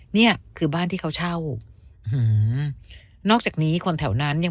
เนี่ยคือบ้านที่เขาเช่านอกจากนี้คนแถวนั้นยัง